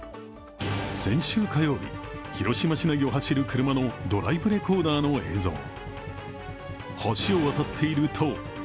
先週火曜日、広島市内を走る車のドライブレコーダーの映像。